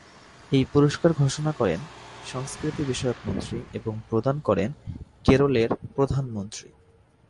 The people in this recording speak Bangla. এই পুরস্কার ঘোষণা করেন সংস্কৃতি বিষয়ক মন্ত্রী এবং প্রদান করেন কেরলের প্রধানমন্ত্রী।